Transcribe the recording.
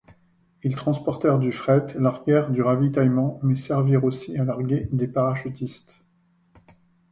Ils transportèrent du fret, larguèrent du ravitaillement, mais servirent aussi à larguer des parachutistes.